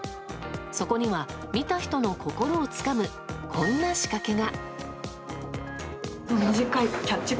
そこには見た人の心をつかむこんな仕掛けが。